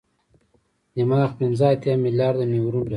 دماغ پنځه اتیا ملیارده نیورون لري.